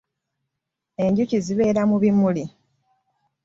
Enjuki zibeera mu bimuli ,.